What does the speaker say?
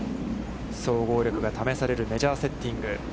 総合力が試されるメジャーセッティング。